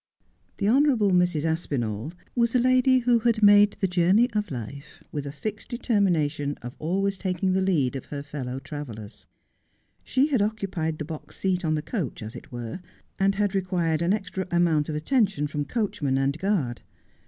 The honourable Mrs. Aspinall was a lady who had made the journey of life with a fixed determination of always taking the lead of her fellow travellers. She had occupied the box seat on the coach, as it were, and had required an extra amount of attention from coachman and guard.